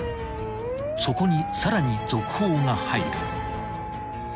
［そこにさらに続報が入る］